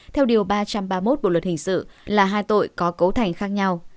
theo điều ba trăm ba mươi một bộ luật hình sự là hai tội có cấu thành khác nhau